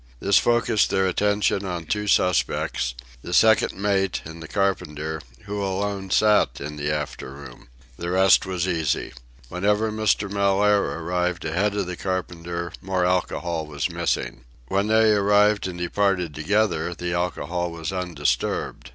This focussed their attention on two suspects—the second mate and the carpenter, who alone sat in the after room. The rest was easy. Whenever Mr. Mellaire arrived ahead of the carpenter more alcohol was missing. When they arrived and departed together, the alcohol was undisturbed.